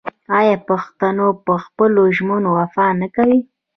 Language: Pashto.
آیا پښتون په خپلو ژمنو وفا نه کوي؟